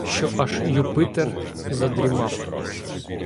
Що аж Юпитер задрімав.